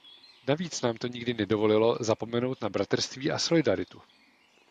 Navíc nám to nikdy nedovolilo zapomenout na bratrství a solidaritu.